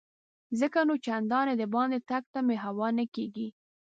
ځکه نو چنداني دباندې تګ ته مې هوا نه کیږي.